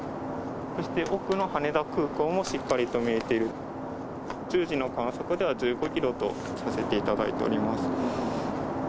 そして奥の羽田空港もしっかりと見えている、１０時の観測では１５キロとさせていただいております。